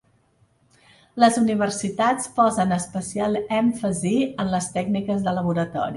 Les universitats posen especial èmfasi en les tècniques de laboratori.